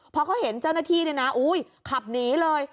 พอเขาเห็นเจ้าหน้าที่เนี่ยนะขับหนีเลย